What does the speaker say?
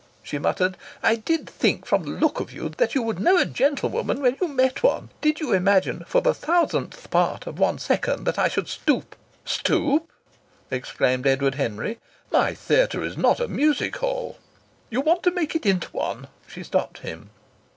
she muttered. "I did think from the look of you that you would know a gentlewoman when you met one! Did you imagine for the thousandth part of one second that I would stoop " "Stoop!" exclaimed Edward Henry. "My theatre is not a music hall " "You want to make it into one!" she stopped him.